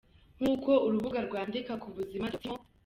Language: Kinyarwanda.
Nkuko urubuga rwandika ku buzima doctissimo.